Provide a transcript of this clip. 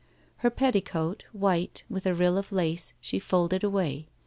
Her petticoat, white, with a rill of lace, she folded away.